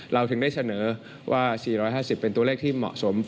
เราถึงได้เสนอว่า๔๕๐เป็นตัวเลขที่เหมาะสม